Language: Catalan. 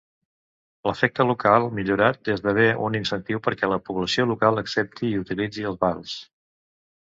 L'efecte local millorat esdevé un incentiu perquè la població local accepti i utilitzi els vals.